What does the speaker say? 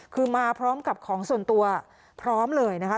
คือมาพร้อมกับของส่วนตัวพร้อมเลยนะคะ